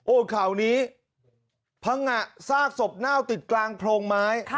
โอ้นข่าวนี้พระงะซากศพน่าวติดกลางโพรงไม้